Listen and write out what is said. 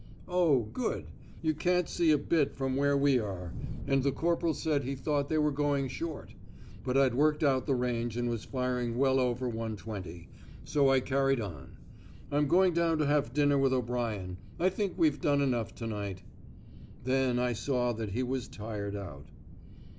"Oh, good. You can't see a bit from where we are, and the corporal said he thought they were going short. But I'd worked out the range and was firing well over 120, so I carried on. I'm going down to have dinner with O'Brien. I think we've done enough to night." Then I saw that he was tired out.